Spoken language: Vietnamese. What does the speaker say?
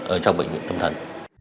ở trong bệnh viện tâm thần